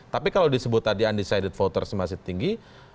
tapi kalau disebut tadi undecided voters masih tinggi